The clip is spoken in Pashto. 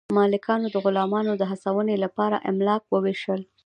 مالکانو د غلامانو د هڅونې لپاره املاک وویشل.